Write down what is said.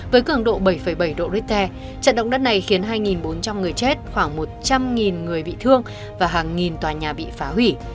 với cường độ bảy bảy độ richter trận động đất này khiến hai bốn trăm linh người chết khoảng một trăm linh người bị thương và hàng nghìn tòa nhà bị phá hủy